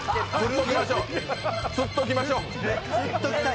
釣っときましょ。